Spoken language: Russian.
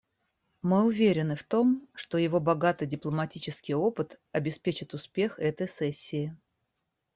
Мы уверены в том, что его богатый дипломатический опыт обеспечит успех этой сессии.